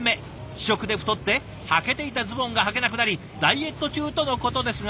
試食で太ってはけていたズボンがはけなくなりダイエット中とのことですが。